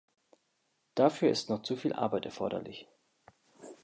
Dafür ist noch zu viel Arbeit erforderlich.